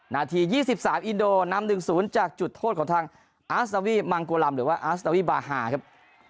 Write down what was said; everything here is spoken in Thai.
นาที๒๓อินโดนำหนึ่งศูนย์จากจุดโทษของทางอาร์สตาวิมังกวลัมหรือว่าอาร์สตาวิบาฮาครับ